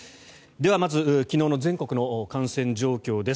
ではまず昨日の全国の感染状況です。